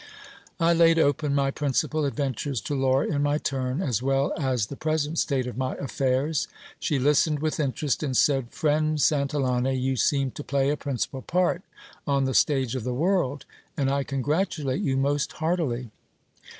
I laid open my principal adventures to Laura in my turn, as well as the pre sent state of my affairs. She listened with interest, and said : Friend Santil lane, you seem to play a principal part on the stage of the world, and I con gratulate you most heartily.